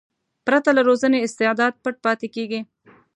پرته له روزنې استعداد پټ پاتې کېږي.